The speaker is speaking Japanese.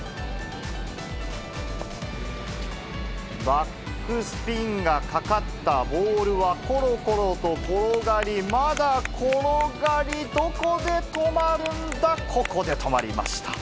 バックスピンがかかったボールはころころと転がり、まだ転がり、どこで止まるんだ、ここで止まりました。